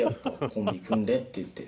コンビ組んで」って言って。